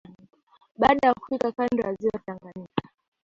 Baada ya kufika kando ya ziwa Tanganyika